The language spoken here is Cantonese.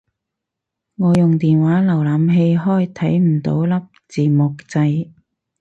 我用電話瀏覽器開睇唔到粒字幕掣